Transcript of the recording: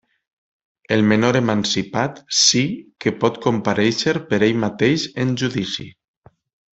El menor emancipat sí que pot comparèixer per ell mateix en judici.